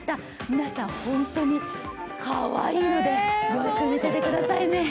皆さん、本当にかわいいので、よーく見ててくださいね。